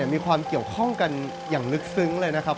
มีความเกี่ยวข้องกันอย่างลึกซึ้งเลยนะครับ